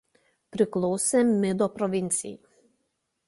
Priklausė Mido provincijai.